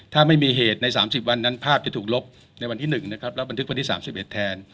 ถ้าไม่มีเหตุ๓๐วันนั้นภาพจะถูกลบในวันที่๑และบริมทฤษภัณฑ์ที่๓๑แทน